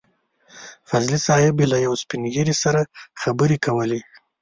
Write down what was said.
فضلي صیب له يو سپين ږيري سره خبرې کولې.